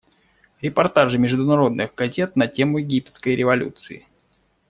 Репортажи международных газет на тему египетской революции.